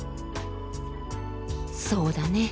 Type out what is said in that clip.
そうだね。